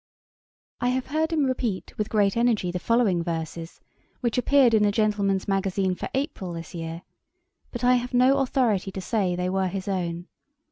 I have heard him repeat with great energy the following verses, which appeared in the Gentleman's Magazine for April this year; but I have no authority to say they were his own.